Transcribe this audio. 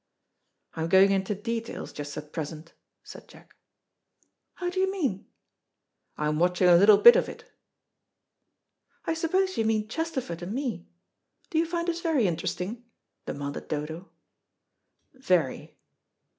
"I'm going into details, just at present," said Jack. "How do you mean?" "I'm watching a little bit of it." "I suppose you mean Chesterford and me. Do you find us very interesting?" demanded Dodo. "Very."